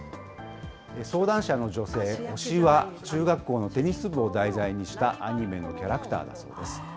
相談者の女性、推しは中学校のテニス部を題材にしたアニメのキャラクターだそうです。